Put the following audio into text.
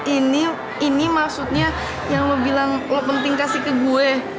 ini ini maksudnya yang mau bilang lo penting kasih ke gue